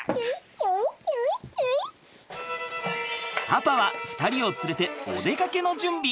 パパは２人を連れてお出かけの準備。